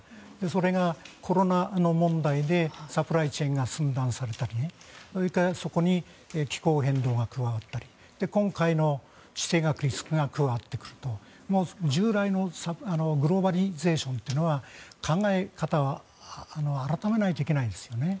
それがコロナの問題でサプライチェーンが寸断されたりそこに気候変動が加わったり今回の地政学リスクが加わってくると従来のグローバリゼーションというのは考え方を改めないといけないですね。